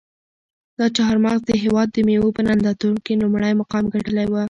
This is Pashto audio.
دا چهارمغز د هېواد د مېوو په نندارتون کې لومړی مقام ګټلی و.